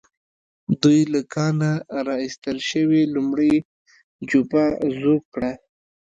دوی له کانه را ايستل شوې لومړۍ جوپه ذوب کړه.